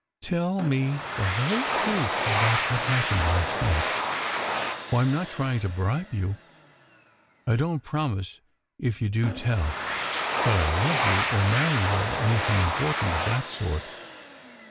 "Tell me the whole truth about what happened last night. Oh I m not trying to bribe you ! I don t promise if you do tell, that I ll love you, or marry you, or anything important of that sort.